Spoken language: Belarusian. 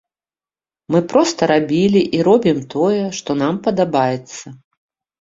Мы проста рабілі і робім тое, што нам падабаецца.